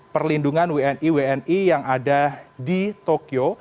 perlindungan wni wni yang ada di tokyo